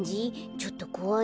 ちょっとこわい？